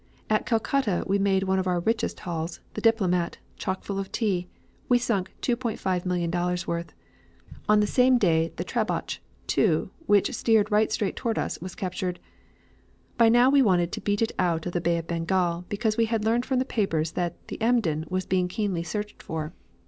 At Calcutta we made one of our richest hauls, the Diplomat, chock full of tea, we sunk $2,500,000 worth. On the same day the Trabbotch, too, which steered right straight towards us, was captured. By now we wanted to beat it out of the Bay of Bengal, because we had learned from the papers that the Emden was being keenly searched for.